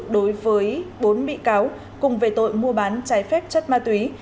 đối với bốn bị cáo cùng về tội mua bán trái phép chất ma túy